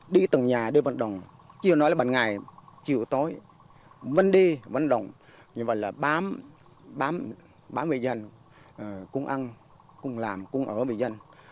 đi từng nhà để vận động chiều nói là bằng ngày chiều tối vẫn đi vận động nhưng mà là bám bám bám người dân cũng ăn cũng làm cũng ở với người dân